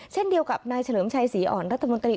เช่นเดียวกับนายเฉลิมชัยศรีอ่อนรัฐมนตรี